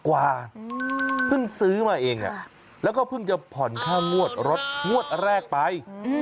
เพิ่งซื้อมาเองแล้วก็เพิ่งจะผ่อนค่างวดรถงวดแรกไป